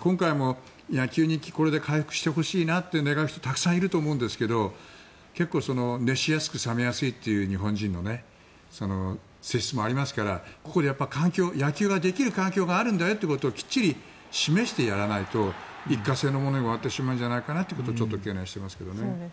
今回も野球人気これで回復してほしいなと願う人はたくさんいると思うんですが結構熱しやすく冷めやすいという日本人の性質もありますからここで野球ができる環境があるんだよときっちり示してやらないと一過性のものに終わってしまうんじゃないかなということをちょっと懸念してますけどね。